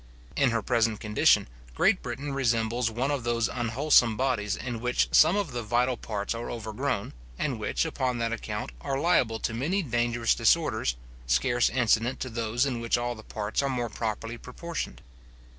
In her present condition, Great Britain resembles one of those unwholesome bodies in which some of the vital parts are overgrown, and which, upon that account, are liable to many dangerous disorders, scarce incident to those in which all the parts are more properly proportioned.